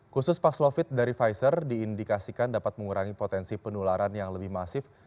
khusus paslovid dari pfizer diindikasikan dapat mengurangi potensi penularan yang lebih masif